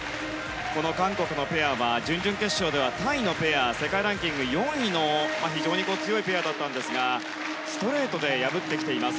この韓国のペアは準々決勝ではタイのペア世界ランキング４位の非常に強いペアだったんですがストレートで破ってきています。